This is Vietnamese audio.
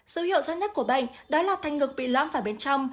dấu hiệu rát nét của bệnh đó là thanh ngực bị lõm vào bên trong